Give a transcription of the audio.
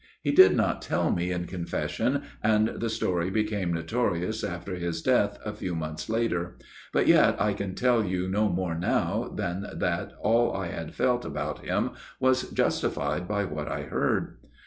He did not tell me in confession, and the story became notorious after his death a few months later ; but yet I can tell you no more now than that all I had felt about him was justified by what I heard.